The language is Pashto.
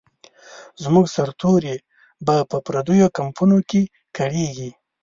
زموږ سرتوري به په پردیو کمپونو کې کړیږي.